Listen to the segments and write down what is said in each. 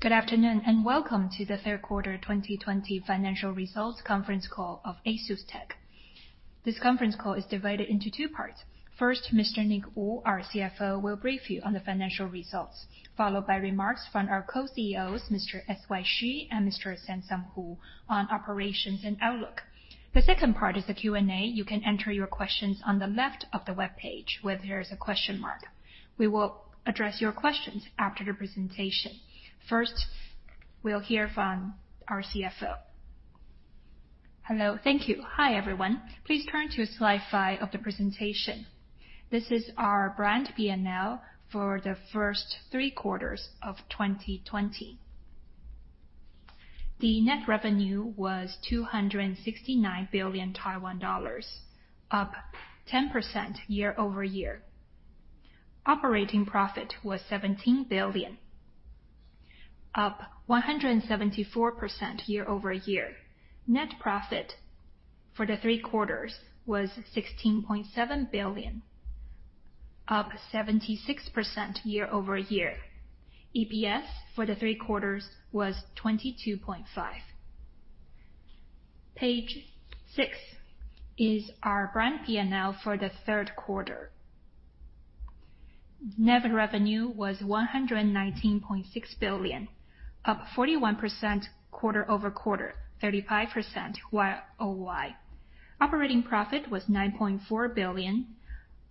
Good afternoon, and welcome to the third quarter 2020 financial results conference call of ASUSTeK. This conference call is divided into two parts. First, Mr. Nick Wu, our CFO, will brief you on the financial results, followed by remarks from our co-CEOs, Mr. S.Y. Hsu and Mr. Samson Hu, on operations and outlook. The second part is the Q&A. You can enter your questions on the left of the webpage, where there is a question mark. We will address your questions after the presentation. First, we'll hear from our CFO. Hello. Thank you. Hi, everyone. Please turn to slide five of the presentation. This is our brand P&L for the first three quarters of 2020. The net revenue was 269 billion Taiwan dollars, up 10% year-over-year. Operating profit was 17 billion, up 174% year-over-year. Net profit for the three quarters was 16.7 billion, up 76% year-over-year. EPS for the three quarters was 22.5. Page six is our brand P&L for the third quarter. Net revenue was 119.6 billion, up 41% quarter-over-quarter, 35% Y-o-Y. Operating profit was 9.4 billion,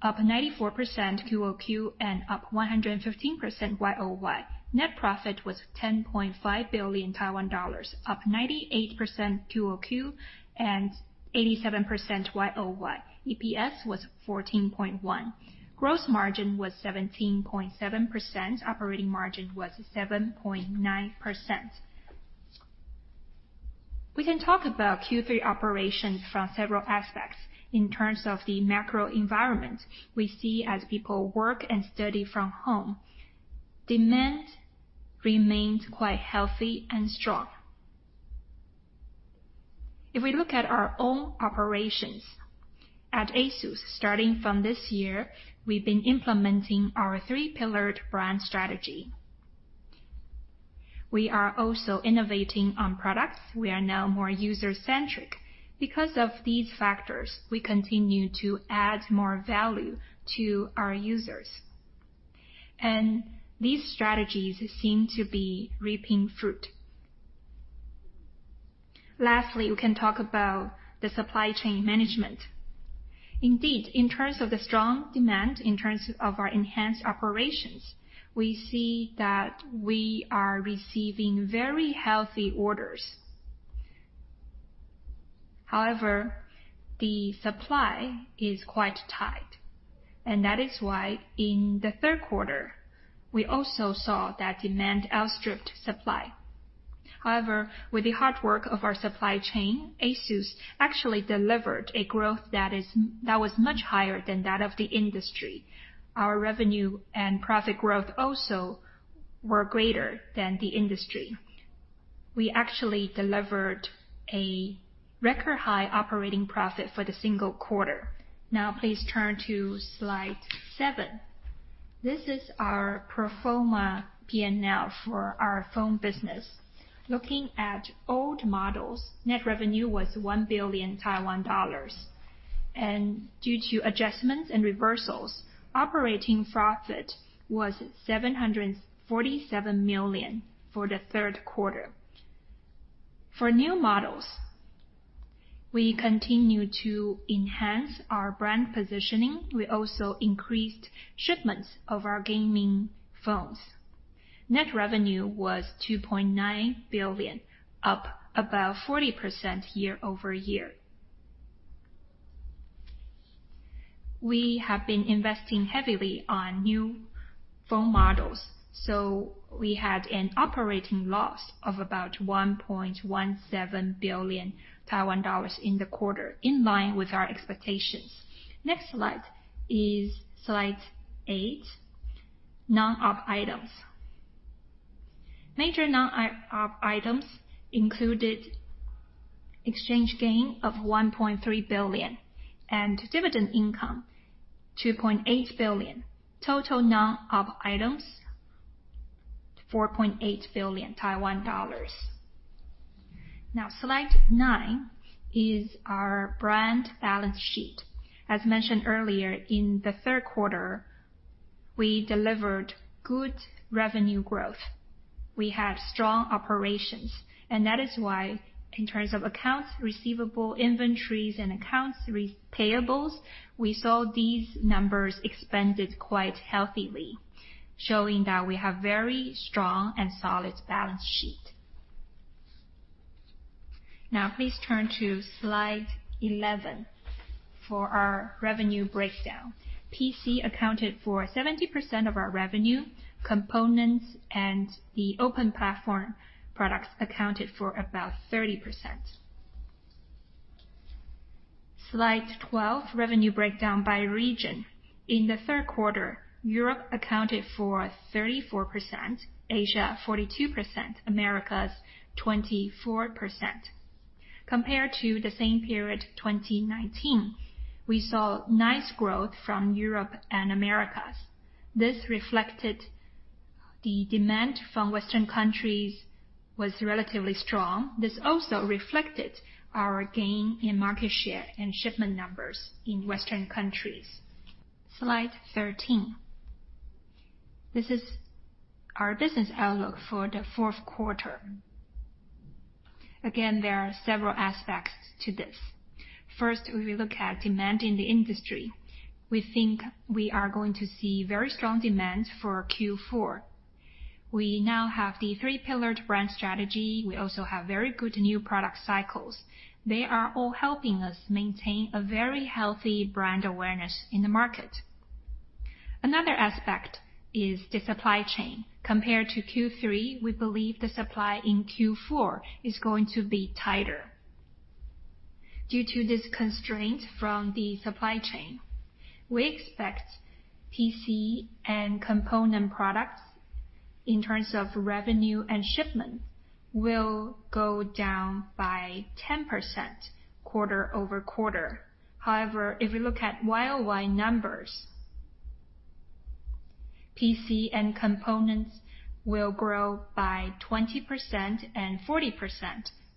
up 94% Q-o-Q, up 115% Y-o-Y. Net profit was 10.5 billion Taiwan dollars, up 98% Q-o-Q, 87% Y-o-Y. EPS was 14.1. Gross margin was 17.7%. Operating margin was 7.9%. We can talk about Q3 operations from several aspects. In terms of the macro environment, we see as people work and study from home, demand remained quite healthy and strong. If we look at our own operations at ASUS, starting from this year, we've been implementing our three-pillared brand strategy. We are also innovating on products. We are now more user-centric. Because of these factors, we continue to add more value to our users, these strategies seem to be reaping fruit. Lastly, we can talk about the supply chain management. Indeed, in terms of the strong demand, in terms of our enhanced operations, we see that we are receiving very healthy orders. However, the supply is quite tight, and that is why in the third quarter, we also saw that demand outstripped supply. However, with the hard work of our supply chain, ASUS actually delivered a growth that was much higher than that of the industry. Our revenue and profit growth also were greater than the industry. We actually delivered a record high operating profit for the single quarter. Now please turn to slide seven. This is our pro forma P&L for our phone business. Looking at old models, net revenue was 1 billion Taiwan dollars, and due to adjustments and reversals, operating profit was 747 million for the third quarter. For new models, we continue to enhance our brand positioning. We also increased shipments of our gaming phones. Net revenue was 2.9 billion, up about 40% year-over-year. We have been investing heavily on new phone models, so we had an operating loss of about 1.17 billion Taiwan dollars in the quarter, in line with our expectations. Next slide is slide eight, non-op items. Major non-op items included exchange gain of 1.3 billion and dividend income 2.8 billion. Total non-op items, 4.8 billion Taiwan dollars. Now, slide nine is our brand balance sheet. As mentioned earlier, in the third quarter, we delivered good revenue growth. We had strong operations, and that is why, in terms of accounts receivable, inventories, and accounts payables, we saw these numbers expanded quite healthily, showing that we have very strong and solid balance sheet. Now, please turn to slide 11 for our revenue breakdown. PC accounted for 70% of our revenue. Components and the open platform products accounted for about 30%. Slide 12, revenue breakdown by region. In the third quarter, Europe accounted for 34%, Asia 42%, Americas 24%. Compared to the same period 2019, we saw nice growth from Europe and Americas. This reflected the demand from Western countries was relatively strong. This also reflected our gain in market share and shipment numbers in Western countries. Slide 13. This is our business outlook for the fourth quarter. There are several aspects to this. First, we look at demand in the industry. We think we are going to see very strong demand for Q4. We now have the three-pillared brand strategy. We also have very good new product cycles. They are all helping us maintain a very healthy brand awareness in the market. Another aspect is the supply chain. Compared to Q3, we believe the supply in Q4 is going to be tighter. Due to this constraint from the supply chain, we expect PC and component products, in terms of revenue and shipment, will go down by 10% quarter-over-quarter. However, if we look at YoY numbers, PC and components will grow by 20% and 40%,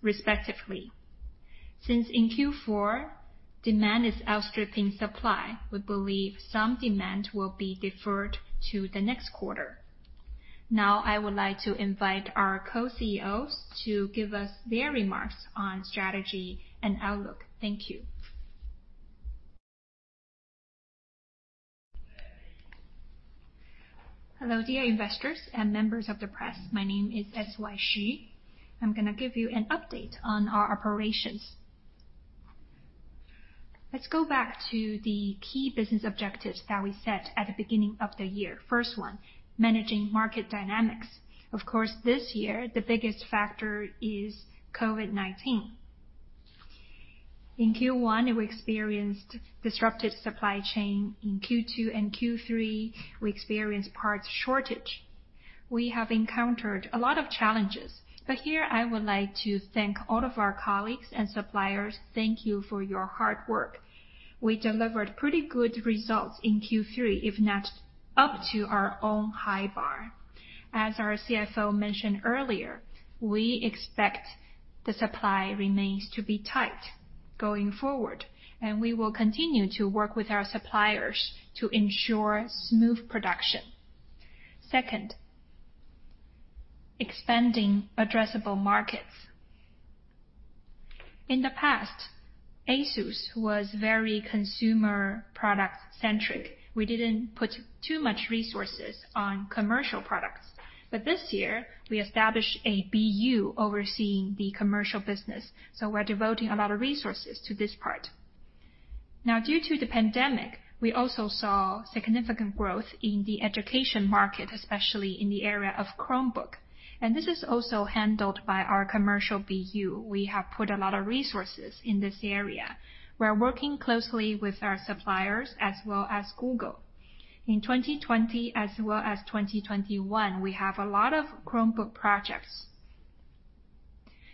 respectively. Since in Q4, demand is outstripping supply, we believe some demand will be deferred to the next quarter. Now, I would like to invite our co-CEOs to give us their remarks on strategy and outlook. Thank you. Hello, dear investors and members of the press. My name is S.Y. Hsu. I'm going to give you an update on our operations. Let's go back to the key business objectives that we set at the beginning of the year. First one, managing market dynamics. Of course, this year, the biggest factor is COVID-19. In Q1, we experienced disrupted supply chain. In Q2 and Q3, we experienced parts shortage. We have encountered a lot of challenges. Here, I would like to thank all of our colleagues and suppliers, thank you for your hard work. We delivered pretty good results in Q3, if not up to our own high bar. As our CFO mentioned earlier, we expect the supply remains to be tight going forward, and we will continue to work with our suppliers to ensure smooth production. Second, expanding addressable markets. In the past, ASUS was very consumer product centric. We didn't put too much resources on commercial products. This year, we established a BU overseeing the commercial business. We're devoting a lot of resources to this part. Now, due to the pandemic, we also saw significant growth in the education market, especially in the area of Chromebook, and this is also handled by our commercial BU. We have put a lot of resources in this area. We are working closely with our suppliers as well as Google. In 2020 as well as 2021, we have a lot of Chromebook projects.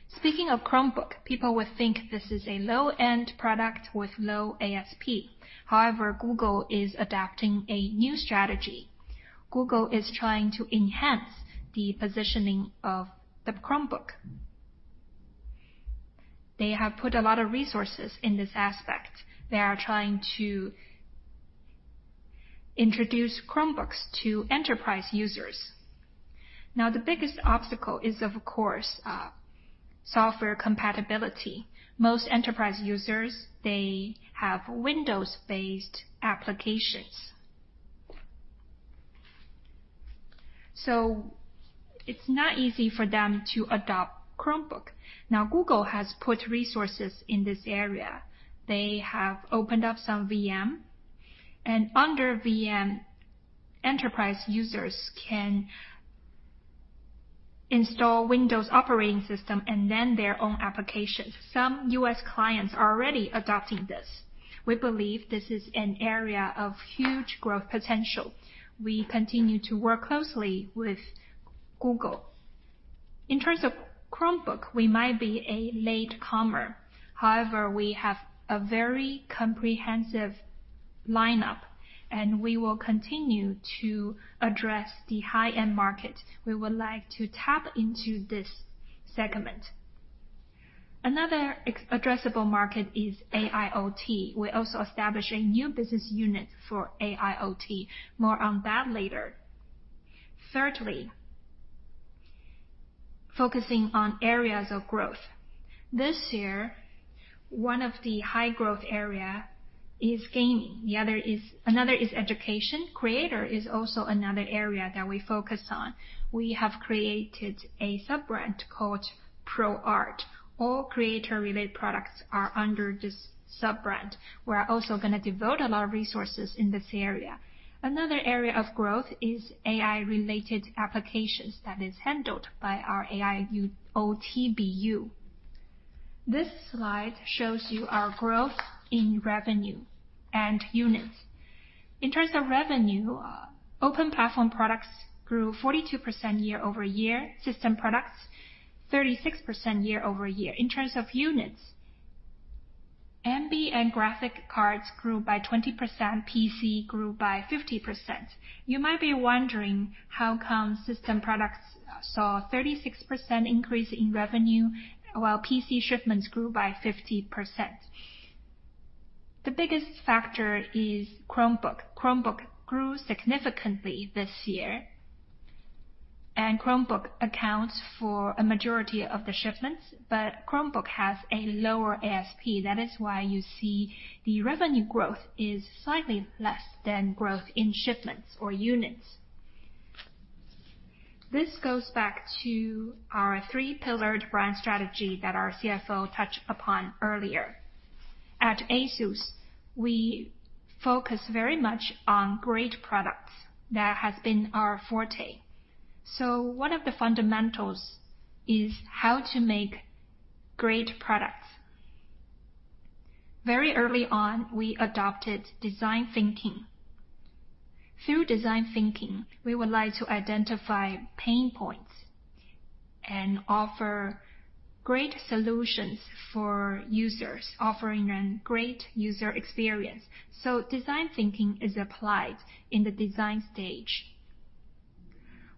Speaking of Chromebook, people would think this is a low-end product with low ASP. However, Google is adapting a new strategy. Google is trying to enhance the positioning of the Chromebook. They have put a lot of resources in this aspect. They are trying to introduce Chromebooks to enterprise users. Now, the biggest obstacle is, of course, software compatibility. Most enterprise users, they have Windows-based applications. It's not easy for them to adopt Chromebook. Now, Google has put resources in this area. They have opened up some VM. Under VM, enterprise users can install Windows operating system and then their own applications. Some U.S. clients are already adopting this. We believe this is an area of huge growth potential. We continue to work closely with Google. In terms of Chromebook, we might be a latecomer. However, we have a very comprehensive lineup. We will continue to address the high-end market. We would like to tap into this segment. Another addressable market is AIoT. We also establish a new business unit for AIoT. More on that later. Thirdly, focusing on areas of growth. This year, one of the high-growth area is gaming. Another is education. Creator is also another area that we focus on. We have created a sub-brand called ProArt. All creator-related products are under this sub-brand. We are also going to devote a lot of resources in this area. Another area of growth is AI-related applications that is handled by our AIoT BU. This slide shows you our growth in revenue and units. In terms of revenue, open platform products grew 42% year-over-year, system products 36% year-over-year. In terms of units, MB and graphic cards grew by 20%, PC grew by 50%. You might be wondering how come system products saw a 36% increase in revenue while PC shipments grew by 50%. The biggest factor is Chromebook. Chromebook grew significantly this year, and Chromebook accounts for a majority of the shipments. Chromebook has a lower ASP. That is why you see the revenue growth is slightly less than growth in shipments or units. This goes back to our three-pillared brand strategy that our CFO touched upon earlier. At ASUS, we focus very much on great products. That has been our forte. One of the fundamentals is how to make great products. Very early on, we adopted design thinking. Through design thinking, we would like to identify pain points and offer great solutions for users, offering a great user experience. Design thinking is applied in the design stage.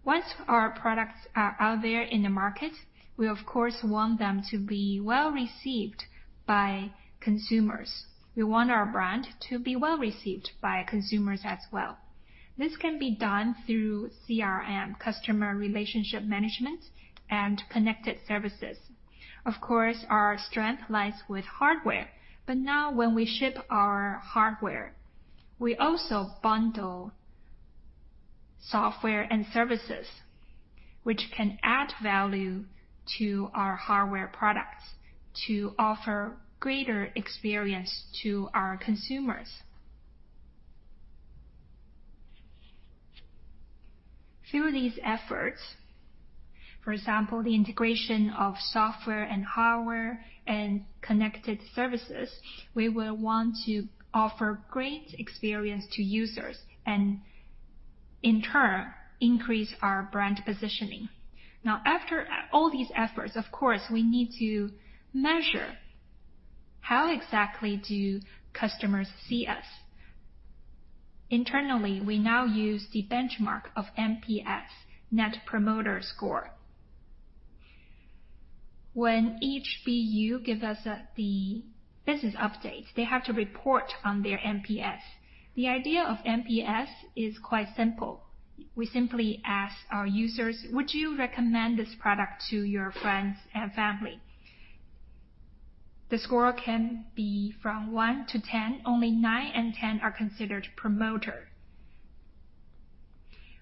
Once our products are out there in the market, we of course want them to be well-received by consumers. We want our brand to be well-received by consumers as well. This can be done through CRM, customer relationship management, and connected services. Of course, our strength lies with hardware. Now when we ship our hardware, we also bundle software and services, which can add value to our hardware products to offer greater experience to our consumers. Through these efforts, for example, the integration of software and hardware and connected services, we will want to offer great experience to users and, in turn, increase our brand positioning. After all these efforts, of course, we need to measure how exactly do customers see us. Internally, we now use the benchmark of NPS, Net Promoter Score. When each BU gives us the business update, they have to report on their NPS. The idea of NPS is quite simple. We simply ask our users, "Would you recommend this product to your friends and family?" The score can be from one to 10. Only nine and 10 are considered promoter.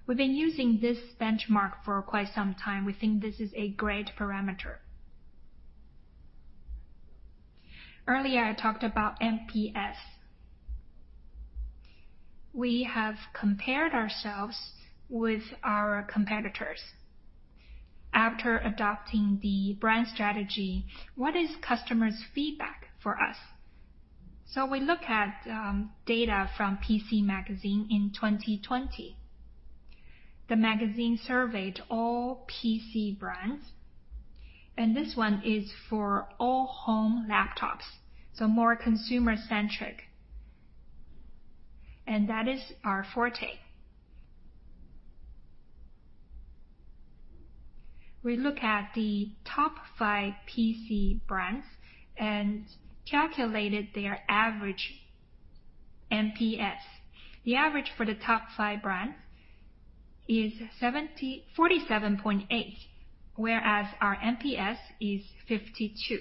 We've been using this benchmark for quite some time. We think this is a great parameter. Earlier, I talked about NPS. We have compared ourselves with our competitors. After adopting the brand strategy, what is customers' feedback for us? We look at data from PC Magazine in 2020. The magazine surveyed all PC brands, and this one is for all home laptops, more consumer-centric. That is our forte. We look at the top five PC brands and calculated their average NPS. The average for the top five brands is 47.8, whereas our NPS is 52.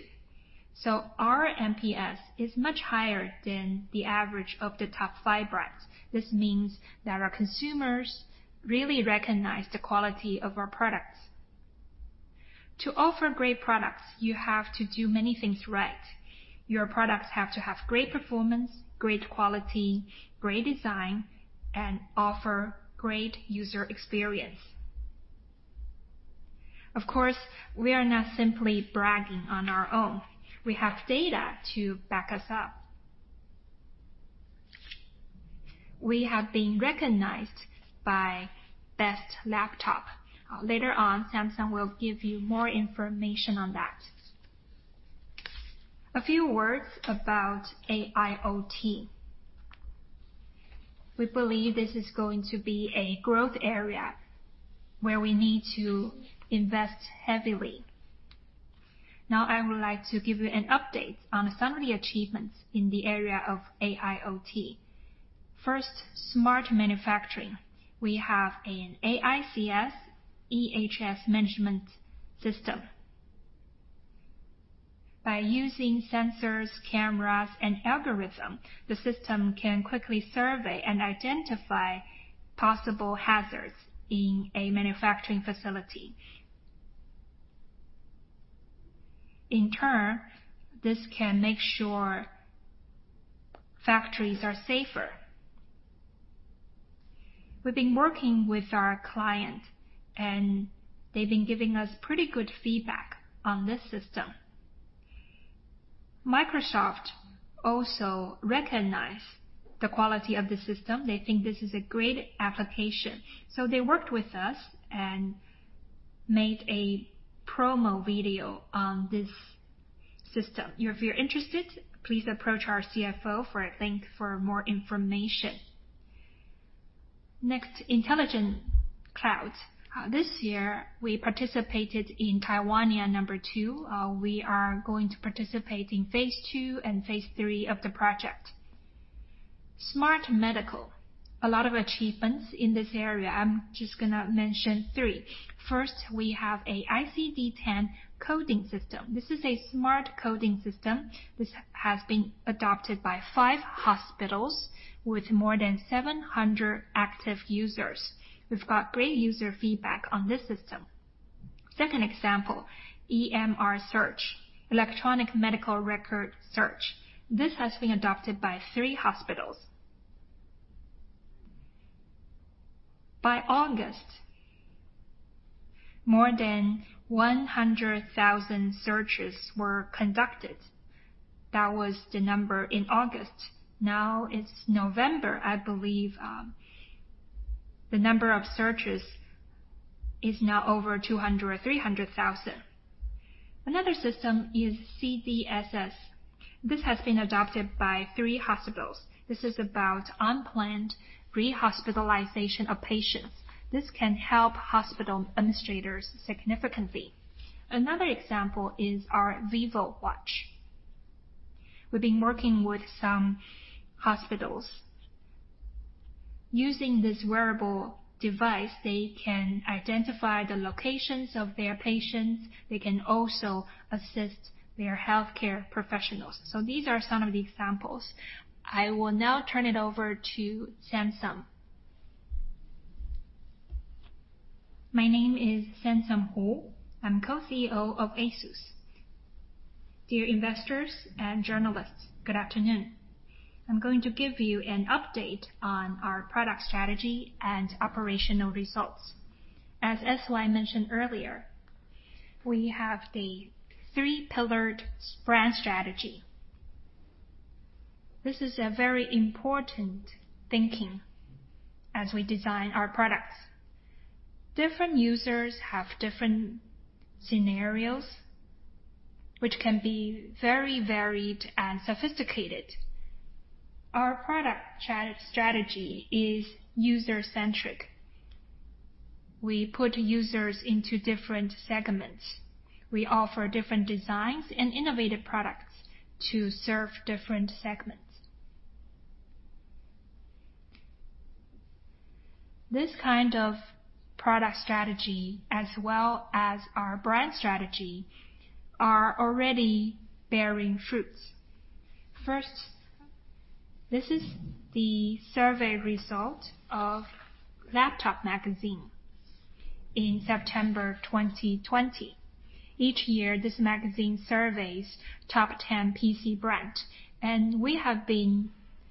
Our NPS is much higher than the average of the top five brands. This means that our consumers really recognize the quality of our products. To offer great products, you have to do many things right. Your products have to have great performance, great quality, great design, and offer great user experience. Of course, we are not simply bragging on our own. We have data to back us up. We have been recognized by Best Laptop. Later on, Samson will give you more information on that. A few words about AIoT. We believe this is going to be a growth area where we need to invest heavily. I would like to give you an update on some of the achievements in the area of AIoT. First, smart manufacturing. We have an AICS EHS management system. By using sensors, cameras, and algorithm, the system can quickly survey and identify possible hazards in a manufacturing facility. In turn, this can make sure factories are safer. We've been working with our client, and they've been giving us pretty good feedback on this system. Microsoft also recognize the quality of the system. They think this is a great application. They worked with us and made a promo video on this system. If you're interested, please approach our CFO for more information. Next, Intelligent Clouds. This year, we participated in Taiwania 2. We are going to participate in phase II and phase III of the project. Smart Medical, a lot of achievements in this area. I'm just going to mention three. First, we have a ICD-10 coding system. This is a smart coding system. This has been adopted by five hospitals with more than 700 active users. We've got great user feedback on this system. Second example, EMR Search, Electronic Medical Record Search. This has been adopted by three hospitals. By August, more than 100,000 searches were conducted. That was the number in August. Now it's November. I believe the number of searches is now over 200,000 or 300,000. Another system is CDSS. This has been adopted by three hospitals. This is about unplanned rehospitalization of patients. This can help hospital administrators significantly. Another example is our VivoWatch. We've been working with some hospitals. Using this wearable device, they can identify the locations of their patients. They can also assist their healthcare professionals. These are some of the examples. I will now turn it over to Samson. My name is Samson Hu. I'm Co-CEO of ASUS. Dear investors and journalists, good afternoon. I'm going to give you an update on our product strategy and operational results. As S.Y. mentioned earlier, we have the three-pillared brand strategy. This is a very important thinking as we design our products. Different users have different scenarios, which can be very varied and sophisticated. Our product strategy is user-centric. We put users into different segments. We offer different designs and innovative products to serve different segments. This kind of product strategy as well as our brand strategy are already bearing fruits. First, this is the survey result of Laptop Mag in September 2020. Each year, this magazine surveys top 10 PC brand, and we have been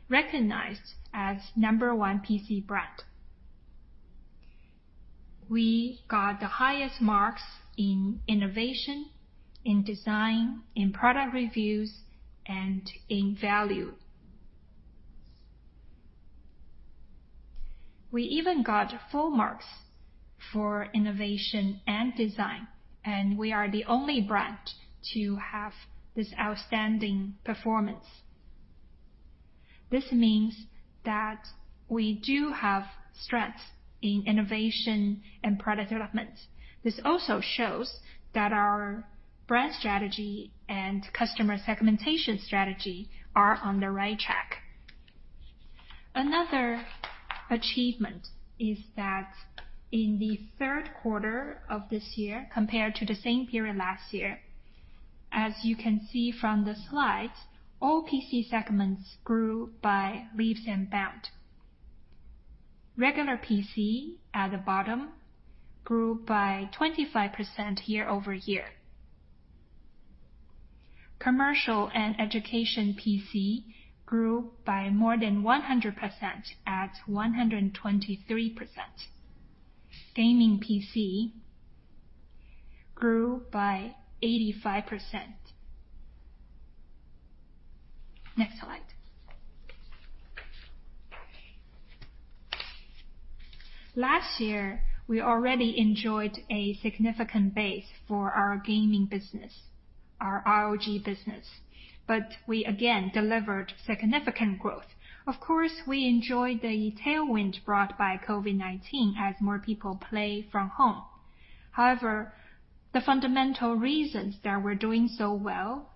recognized as number one PC brand. We got the highest marks in innovation, in design, in product reviews, and in value. We even got full marks for innovation and design, and we are the only brand to have this outstanding performance. This means that we do have strength in innovation and product development. This also shows that our brand strategy and customer segmentation strategy are on the right track. Another achievement is that in the third quarter of this year, compared to the same period last year, as you can see from the slides, all PC segments grew by leaps and bounds. Regular PC at the bottom grew by 25% year-over-year. Commercial and education PC grew by more than 100% at 123%. Gaming PC grew by 85%. Next slide. Last year, we already enjoyed a significant base for our gaming business, our ROG business. We again delivered significant growth. Of course, we enjoyed the tailwind brought by COVID-19 as more people play from home. However, the fundamental reasons that we're doing so well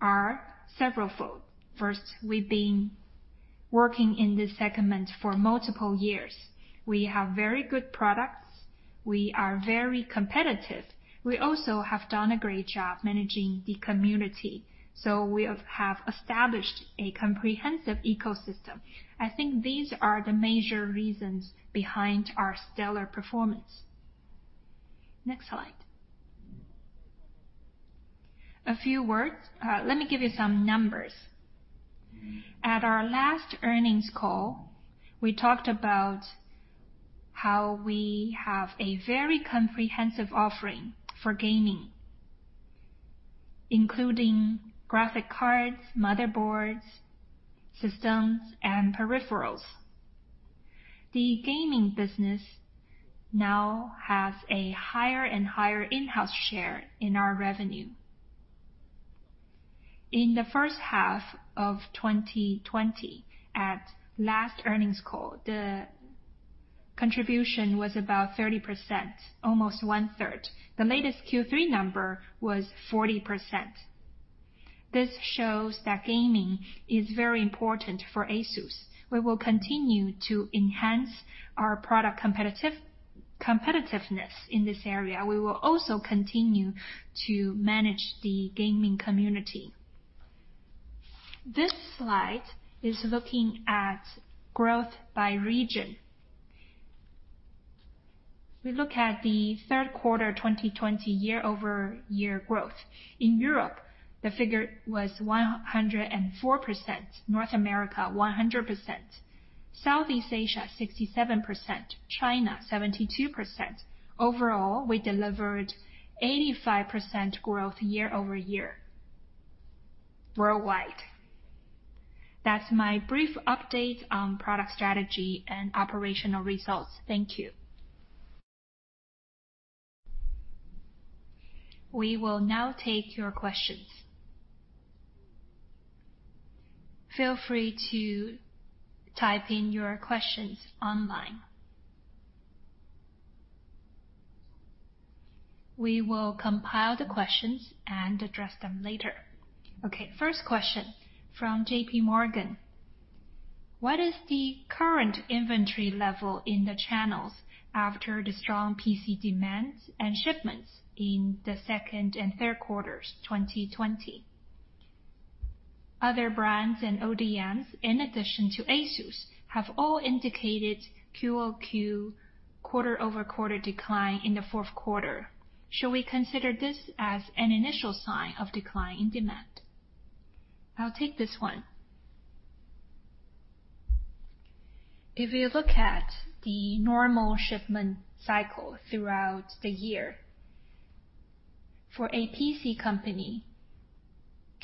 are several fold. First, we've been working in this segment for multiple years. We have very good products. We are very competitive. We also have done a great job managing the community. We have established a comprehensive ecosystem. I think these are the major reasons behind our stellar performance. Next slide. A few words. Let me give you some numbers. At our last earnings call, we talked about how we have a very comprehensive offering for gaming, including graphic cards, motherboards, systems, and peripherals. The gaming business now has a higher and higher in-house share in our revenue. In the first half of 2020, at last earnings call, the contribution was about 30%, almost one-third. The latest Q3 number was 40%. This shows that gaming is very important for ASUS. We will continue to enhance our product competitiveness in this area. We will also continue to manage the gaming community. This slide is looking at growth by region. We look at the third quarter 2020 year-over-year growth. In Europe, the figure was 104%, North America, 100%, Southeast Asia, 67%, China, 72%. Overall, we delivered 85% growth year-over-year worldwide. That's my brief update on product strategy and operational results. Thank you. We will now take your questions. Feel free to type in your questions online. We will compile the questions and address them later. Okay. First question from JPMorgan. What is the current inventory level in the channels after the strong PC demands and shipments in the second and third quarters 2020? Other brands and ODMs, in addition to ASUS, have all indicated QoQ, quarter-over-quarter decline in the fourth quarter. Should we consider this as an initial sign of decline in demand? I'll take this one. If you look at the normal shipment cycle throughout the year, for a PC company,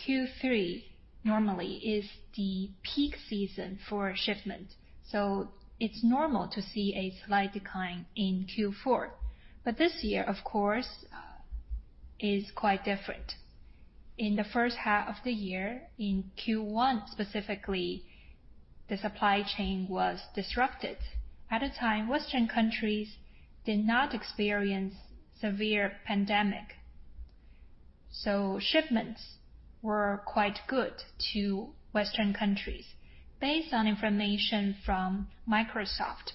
Q3 normally is the peak season for shipment. It's normal to see a slight decline in Q4. This year, of course, is quite different. In the first half of the year, in Q1 specifically, the supply chain was disrupted at a time Western countries did not experience severe pandemic, shipments were quite good to Western countries. Based on information from Microsoft,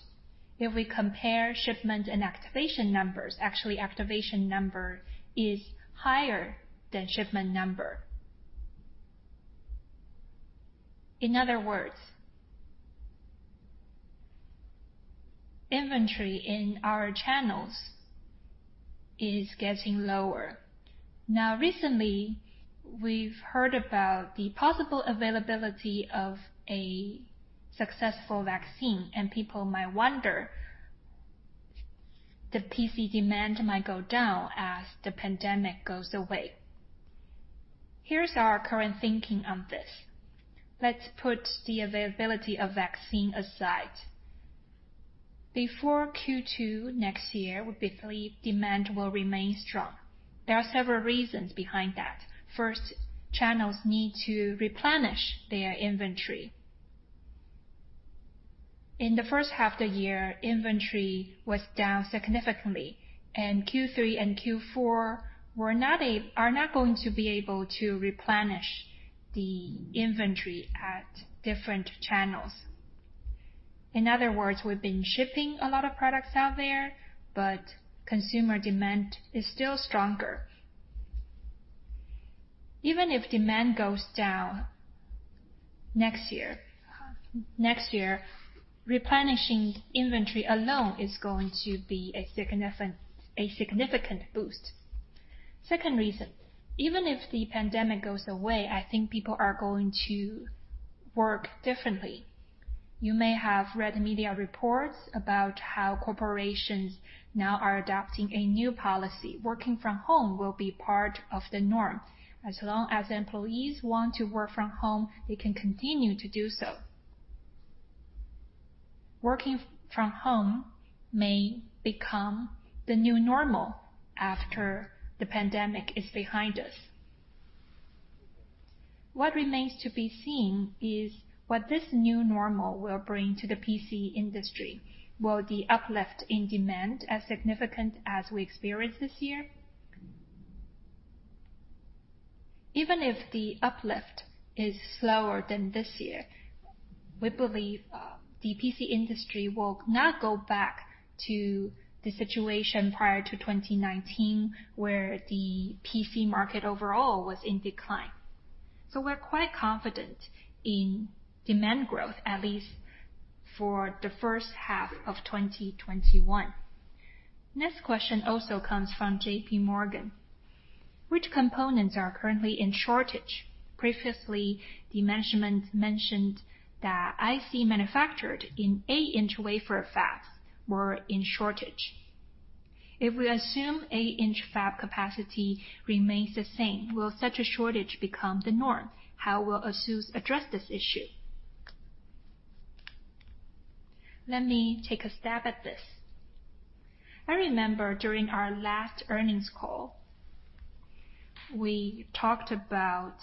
if we compare shipment and activation numbers, actually activation number is higher than shipment number. In other words, inventory in our channels is getting lower. Now, recently, we've heard about the possible availability of a successful vaccine, and people might wonder the PC demand might go down as the pandemic goes away. Here's our current thinking on this. Let's put the availability of vaccine aside. Before Q2 next year, we believe demand will remain strong. There are several reasons behind that. First, channels need to replenish their inventory. In the first half the year, inventory was down significantly, and Q3 and Q4 are not going to be able to replenish the inventory at different channels. In other words, we've been shipping a lot of products out there, but consumer demand is still stronger. Even if demand goes down next year, replenishing inventory alone is going to be a significant boost. Second reason, even if the pandemic goes away, I think people are going to work differently. You may have read the media reports about how corporations now are adopting a new policy. Working from home will be part of the norm. As long as employees want to work from home, they can continue to do so. Working from home may become the new normal after the pandemic is behind us. What remains to be seen is what this new normal will bring to the PC industry. Will the uplift in demand as significant as we experience this year? Even if the uplift is slower than this year, we believe the PC industry will not go back to the situation prior to 2019, where the PC market overall was in decline. We're quite confident in demand growth, at least for the first half of 2021. Next question also comes from JPMorgan. Which components are currently in shortage? Previously, the management mentioned that IC manufactured in eight-inch wafer fabs were in shortage. If we assume eight-inch fab capacity remains the same, will such a shortage become the norm? How will ASUS address this issue? Let me take a stab at this. I remember during our last earnings call, we talked about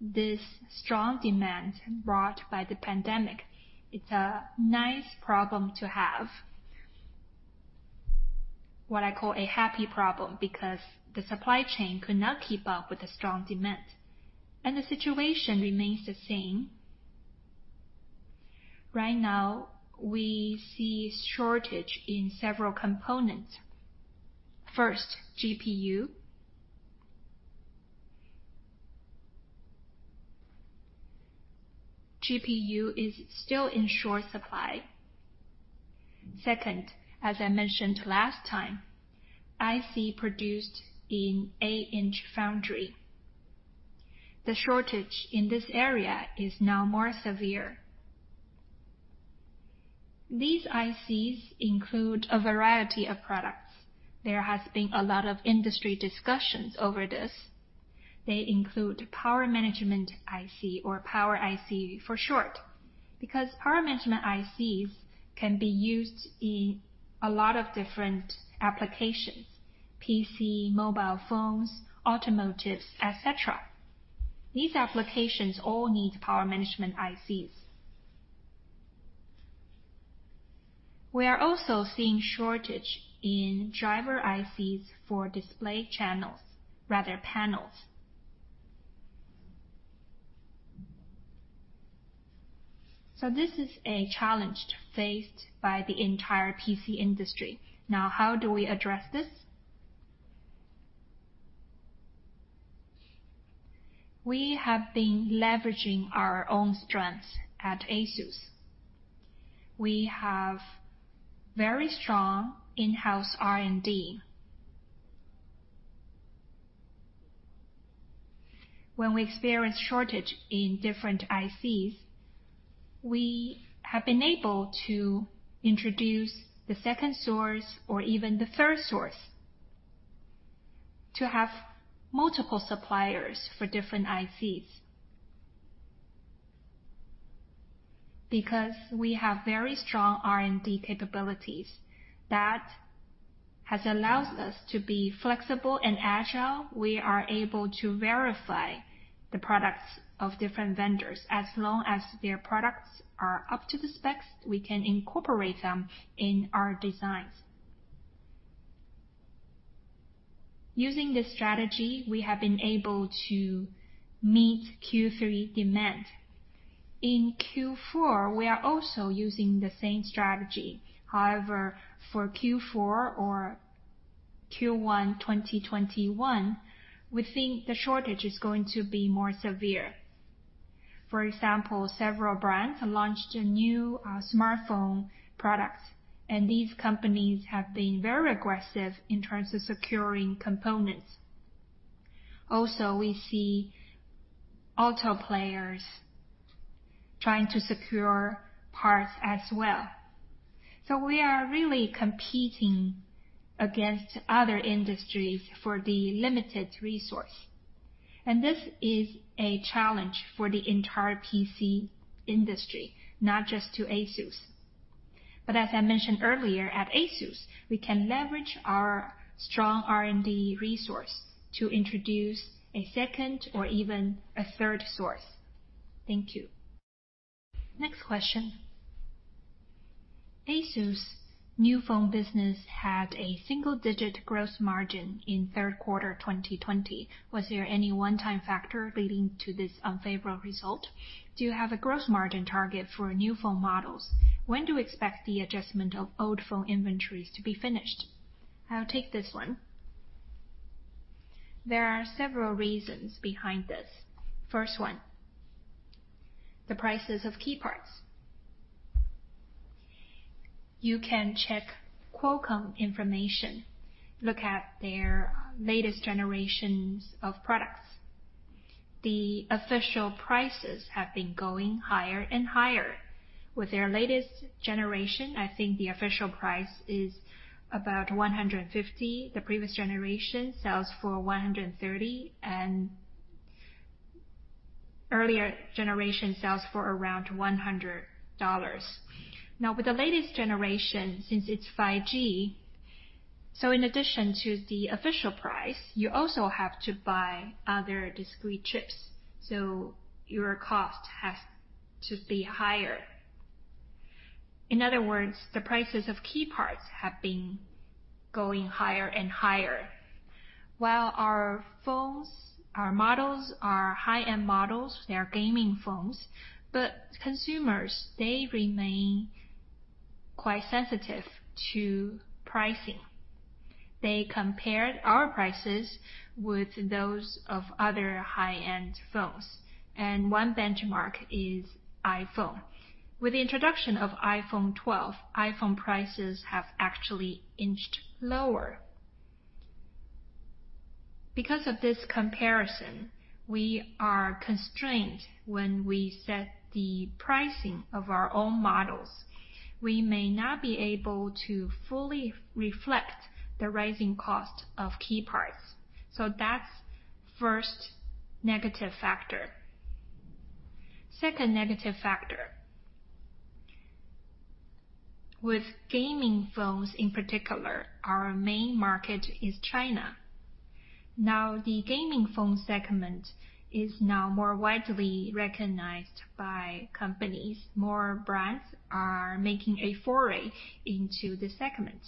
this strong demand brought by the pandemic. It's a nice problem to have. What I call a happy problem, because the supply chain could not keep up with the strong demand, and the situation remains the same. Right now, we see shortage in several components. First, GPU. GPU is still in short supply. Second, as I mentioned last time, IC produced in eight-inch foundry. The shortage in this area is now more severe. These ICs include a variety of products. There has been a lot of industry discussions over this. They include power management IC or power IC for short. Power management ICs can be used in a lot of different applications: PC, mobile phones, automotives, et cetera. These applications all need power management ICs. We are also seeing shortage in driver ICs for display channels, rather panels. This is a challenge faced by the entire PC industry. How do we address this? We have been leveraging our own strengths at ASUS. We have very strong in-house R&D. When we experience shortage in different ICs, we have been able to introduce the second source or even the third source to have multiple suppliers for different ICs. Because we have very strong R&D capabilities, that has allowed us to be flexible and agile. We are able to verify the products of different vendors. As long as their products are up to the specs, we can incorporate them in our designs. Using this strategy, we have been able to meet Q3 demand. In Q4, we are also using the same strategy. However, for Q4 or Q1 2021, we think the shortage is going to be more severe. For example, several brands launched new smartphone products, and these companies have been very aggressive in terms of securing components. Also, we see auto players trying to secure parts as well. We are really competing against other industries for the limited resource, and this is a challenge for the entire PC industry, not just to ASUS. As I mentioned earlier, at ASUS, we can leverage our strong R&D resource to introduce a second or even a third source. Thank you. Next question. ASUS new phone business had a single-digit gross margin in third quarter 2020. Was there any one-time factor leading to this unfavorable result? Do you have a gross margin target for new phone models? When do you expect the adjustment of old phone inventories to be finished? I'll take this one. There are several reasons behind this. First one, the prices of key parts. You can check Qualcomm information, look at their latest generations of products. The official prices have been going higher and higher. With their latest generation, I think the official price is about 150. The previous generation sells for 130, earlier generation sells for around 100 dollars. With the latest generation, since it's 5G, in addition to the official price, you also have to buy other discrete chips, your cost has to be higher. In other words, the prices of key parts have been going higher and higher. While our phones, our models are high-end models, they are gaming phones, consumers, they remain quite sensitive to pricing. They compared our prices with those of other high-end phones, one benchmark is iPhone. With the introduction of iPhone 12, iPhone prices have actually inched lower. Because of this comparison, we are constrained when we set the pricing of our own models. We may not be able to fully reflect the rising cost of key parts. That's first negative factor. Second negative factor. The gaming phone segment is now more widely recognized by companies. More brands are making a foray into the segment.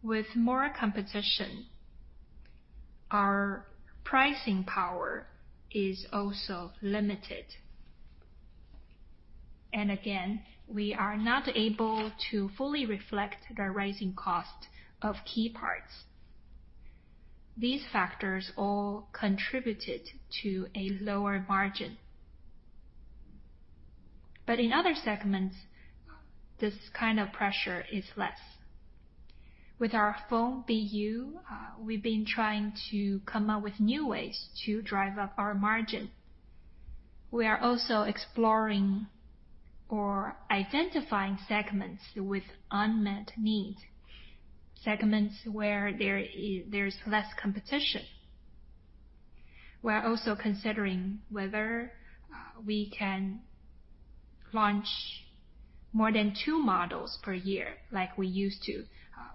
With more competition, our pricing power is also limited. Again, we are not able to fully reflect the rising cost of key parts. These factors all contributed to a lower margin. In other segments, this kind of pressure is less. With our phone BU, we've been trying to come up with new ways to drive up our margin. We are also exploring or identifying segments with unmet needs, segments where there's less competition. We're also considering whether we can launch more than two models per year like we used to.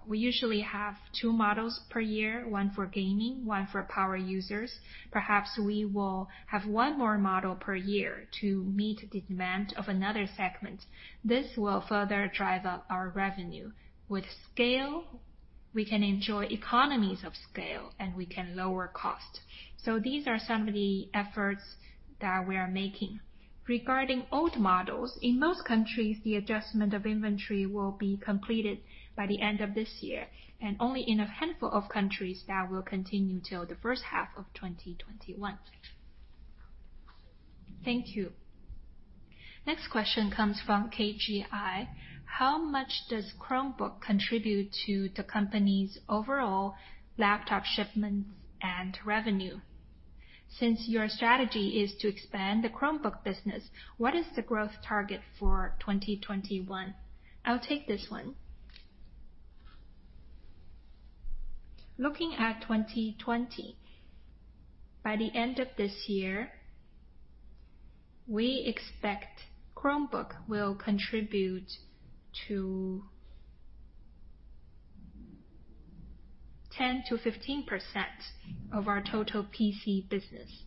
We usually have two models per year, one for gaming, one for power users. Perhaps we will have one more model per year to meet the demand of another segment. This will further drive up our revenue. With scale, we can enjoy economies of scale, and we can lower cost. These are some of the efforts that we are making. Regarding old models, in most countries, the adjustment of inventory will be completed by the end of this year, and only in a handful of countries that will continue till the first half of 2021. Thank you. Next question comes from KGI. How much does Chromebook contribute to the company's overall laptop shipments and revenue? Since your strategy is to expand the Chromebook business, what is the growth target for 2021? I'll take this one. Looking at 2020, by the end of this year, we expect Chromebook will contribute to 10%-15% of our total PC business.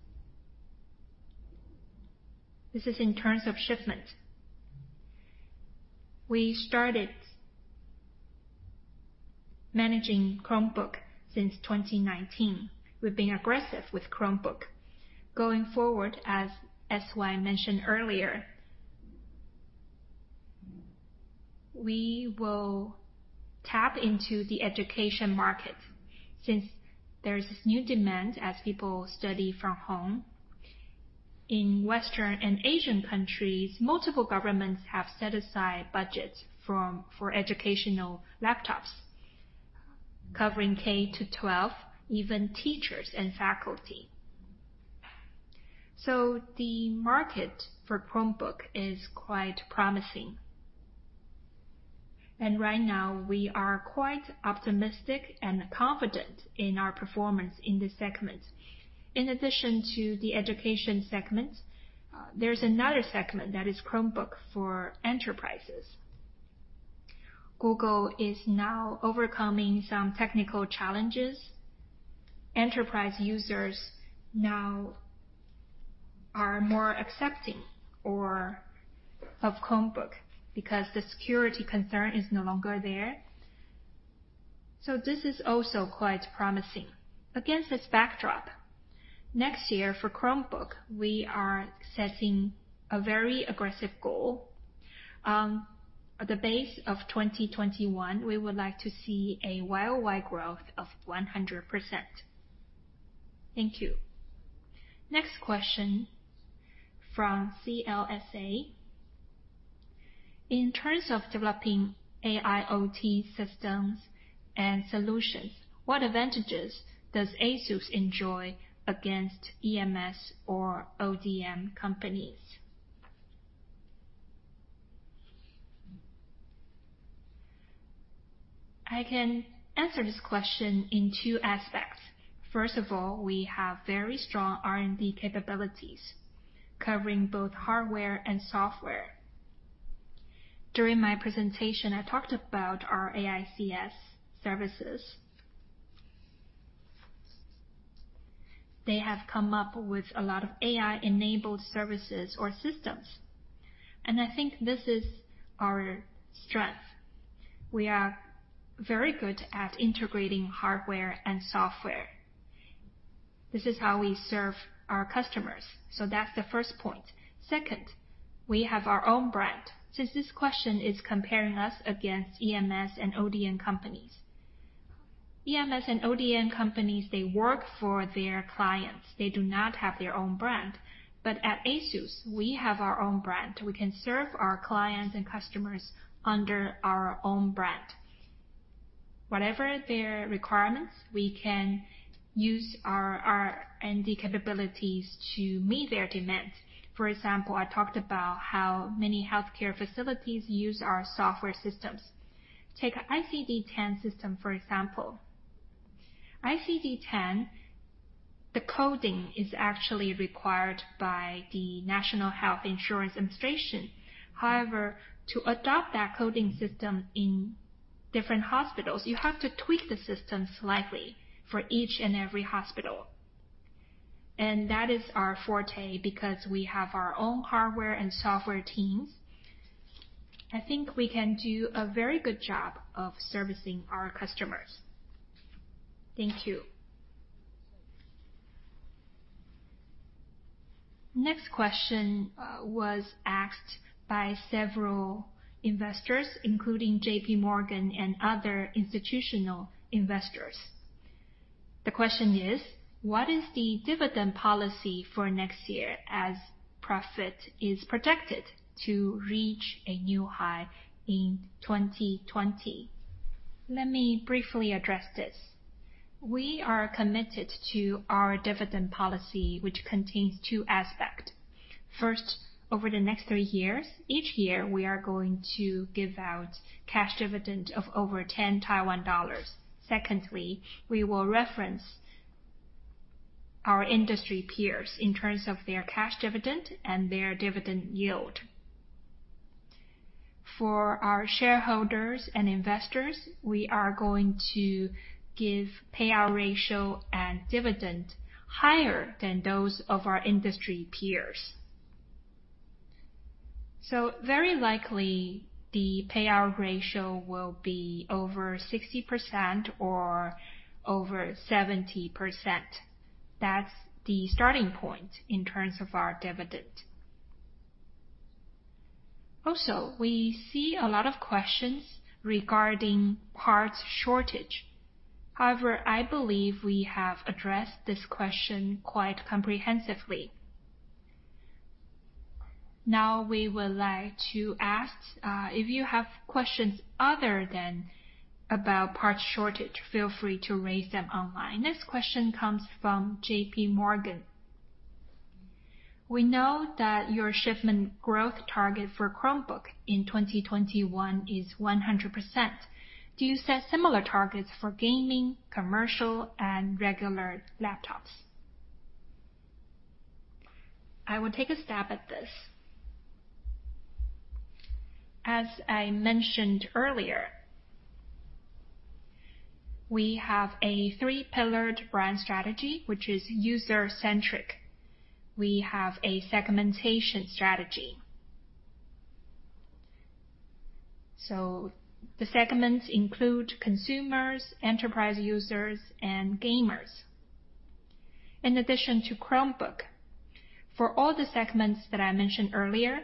This is in terms of shipment. We started managing Chromebook since 2019. We've been aggressive with Chromebook. Going forward, as S.Y. mentioned earlier, we will tap into the education market since there's this new demand as people study from home. In Western and Asian countries, multiple governments have set aside budgets for educational laptops covering K-12, even teachers and faculty. The market for Chromebook is quite promising. Right now, we are quite optimistic and confident in our performance in this segment. In addition to the education segment, there's another segment that is Chromebook for enterprises. Google is now overcoming some technical challenges. Enterprise users now are more accepting of Chromebook because the security concern is no longer there. This is also quite promising. Against this backdrop, next year for Chromebook, we are setting a very aggressive goal. At the base of 2021, we would like to see a Y-o-Y growth of 100%. Thank you. Next question from CLSA. In terms of developing AIoT systems and solutions, what advantages does ASUS enjoy against EMS or ODM companies? I can answer this question in two aspects. First of all, we have very strong R&D capabilities covering both hardware and software. During my presentation, I talked about our AICS services. They have come up with a lot of AI-enabled services or systems. I think this is our strength. We are very good at integrating hardware and software. This is how we serve our customers. That's the first point. Second, we have our own brand. Since this question is comparing us against EMS and ODM companies. EMS and ODM companies, they work for their clients. They do not have their own brand. At ASUS, we have our own brand. We can serve our clients and customers under our own brand. Whatever their requirements, we can use our R&D capabilities to meet their demands. For example, I talked about how many healthcare facilities use our software systems. Take ICD-10 system, for example. ICD-10, the coding is actually required by the National Health Insurance Administration. However, to adopt that coding system in different hospitals, you have to tweak the system slightly for each and every hospital. That is our forte because we have our own hardware and software teams. I think we can do a very good job of servicing our customers. Thank you. Next question was asked by several investors, including JPMorgan and other institutional investors. The question is: what is the dividend policy for next year, as profit is projected to reach a new high in 2020? Let me briefly address this. We are committed to our dividend policy, which contains two aspects. First, over the next three years, each year, we are going to give out cash dividend of over NT$10. Secondly, we will reference our industry peers in terms of their cash dividend and their dividend yield. For our shareholders and investors, we are going to give payout ratio and dividend higher than those of our industry peers. Very likely the payout ratio will be over 60% or over 70%. That's the starting point in terms of our dividend. We see a lot of questions regarding parts shortage. I believe we have addressed this question quite comprehensively. We would like to ask, if you have questions other than about parts shortage, feel free to raise them online. Next question comes from JPMorgan. We know that your shipment growth target for Chromebook in 2021 is 100%. Do you set similar targets for gaming, commercial, and regular laptops? I will take a stab at this. As I mentioned earlier, we have a three-pillared brand strategy, which is user-centric. We have a segmentation strategy. The segments include consumers, enterprise users, and gamers. In addition to Chromebook, for all the segments that I mentioned earlier,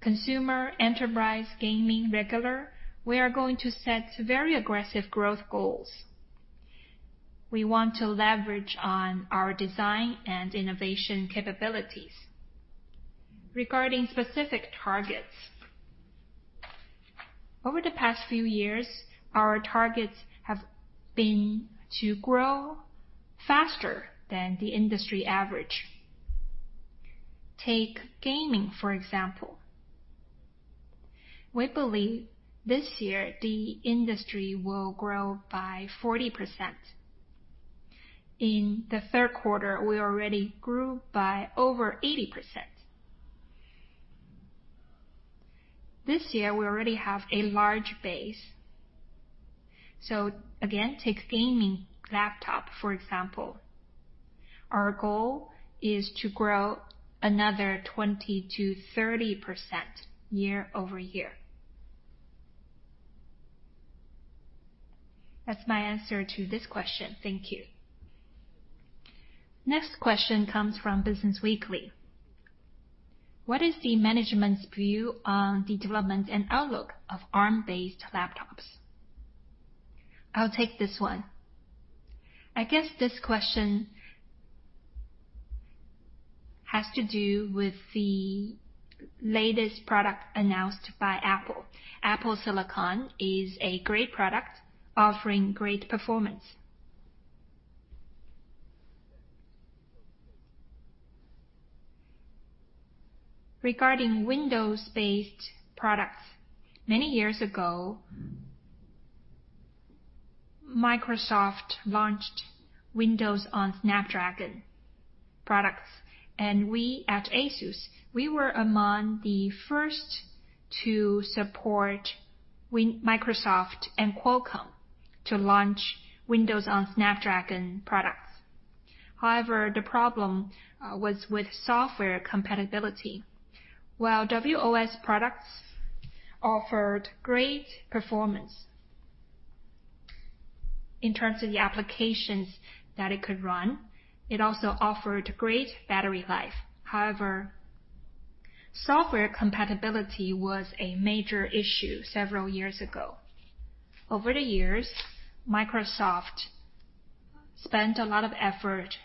consumer, enterprise, gaming, regular, we are going to set very aggressive growth goals. We want to leverage on our design and innovation capabilities. Regarding specific targets, over the past few years, our targets have been to grow faster than the industry average. Take gaming, for example. We believe this year the industry will grow by 40%. In the third quarter, we already grew by over 80%. This year, we already have a large base. Again, take gaming laptop, for example. Our goal is to grow another 20%-30% year-over-year. That's my answer to this question. Thank you. Next question comes from Business Weekly. What is the management's view on development and outlook of ARM-based laptops? I'll take this one. I guess this question has to do with the latest product announced by Apple. Apple Silicon is a great product offering great performance. Regarding Windows-based products, many years ago, Microsoft launched Windows on Snapdragon products, and we at ASUS, we were among the first to support Microsoft and Qualcomm to launch Windows on Snapdragon products. However, the problem was with software compatibility. While WOS products offered great performance in terms of the applications that it could run, it also offered great battery life. However, software compatibility was a major issue several years ago. Over the years, Microsoft spent a lot of effort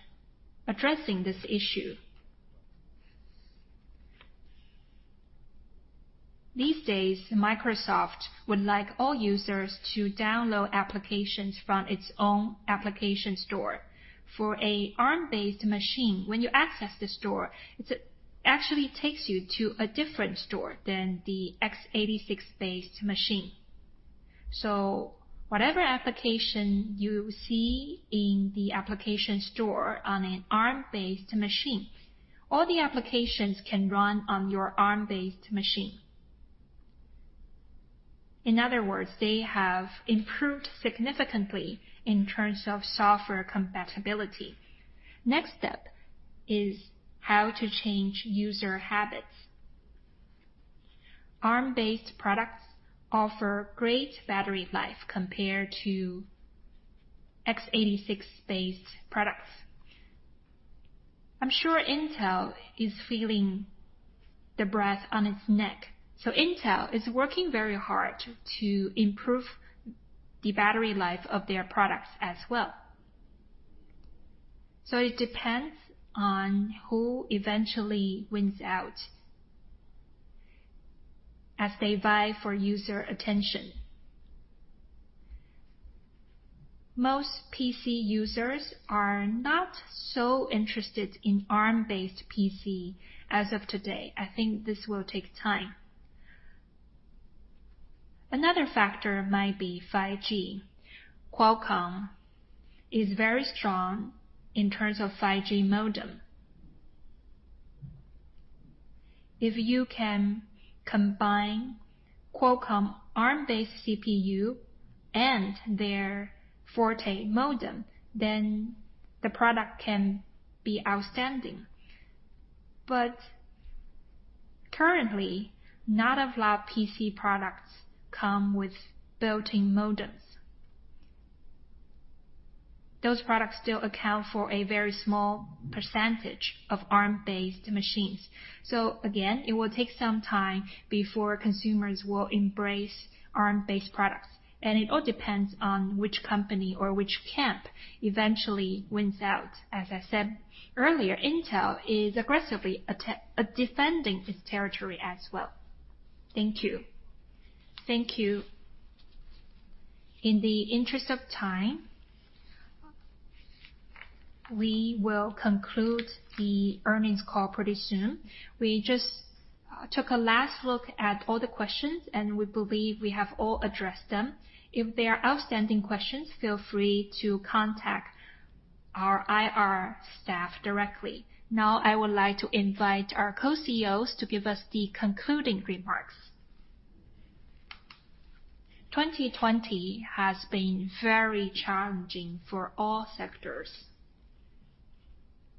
addressing this issue. These days, Microsoft would like all users to download applications from its own application store. For an ARM-based machine, when you access the store, it actually takes you to a different store than the x86-based machine. Whatever application you see in the application store on an ARM-based machine, all the applications can run on your ARM-based machine. In other words, they have improved significantly in terms of software compatibility. Next step is how to change user habits. ARM-based products offer great battery life compared to x86-based products. I'm sure Intel is feeling the breath on its neck. Intel is working very hard to improve the battery life of their products as well. It depends on who eventually wins out as they vie for user attention. Most PC users are not so interested in ARM-based PC as of today. I think this will take time. Another factor might be 5G. Qualcomm is very strong in terms of 5G modem. If you can combine Qualcomm ARM-based CPU and their forte modem, then the product can be outstanding. Currently, not a lot of PC products come with built-in modems. Those products still account for a very small percentage of ARM-based machines. Again, it will take some time before consumers will embrace ARM-based products, and it all depends on which company or which camp eventually wins out. As I said earlier, Intel is aggressively defending its territory as well. Thank you. Thank you. In the interest of time, we will conclude the earnings call pretty soon. We just took a last look at all the questions, and we believe we have all addressed them. If there are outstanding questions, feel free to contact our IR staff directly. I would like to invite our co-CEOs to give us the concluding remarks. 2020 has been very challenging for all sectors.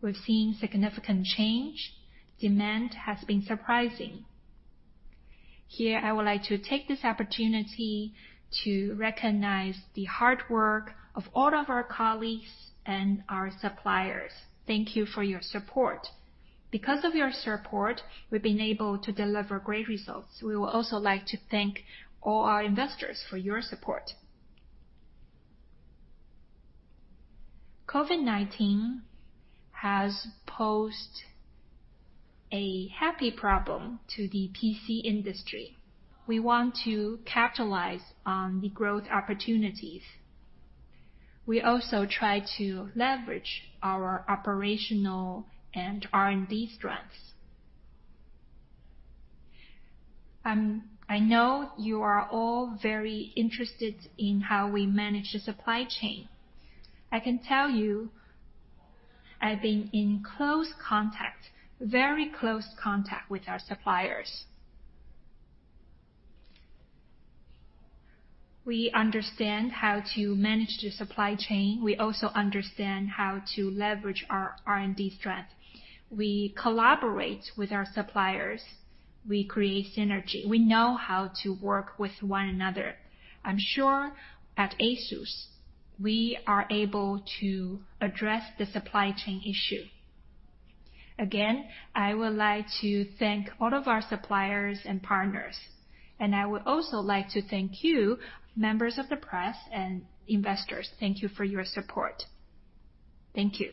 We've seen significant change. Demand has been surprising. Here, I would like to take this opportunity to recognize the hard work of all of our colleagues and our suppliers. Thank you for your support. Because of your support, we've been able to deliver great results. We would also like to thank all our investors for your support. COVID-19 has posed a happy problem to the PC industry. We want to capitalize on the growth opportunities. We also try to leverage our operational and R&D strengths. I know you are all very interested in how we manage the supply chain. I can tell you I've been in very close contact with our suppliers. We understand how to manage the supply chain. We also understand how to leverage our R&D strength. We collaborate with our suppliers. We create synergy. We know how to work with one another. I'm sure at ASUS, we are able to address the supply chain issue. Again, I would like to thank all of our suppliers and partners, and I would also like to thank you, members of the press and investors. Thank you for your support. Thank you.